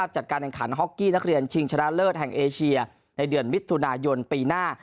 ชิงชนะเลิศแห่งเอเชียในเดือนมิตรธุนายนปีหน้า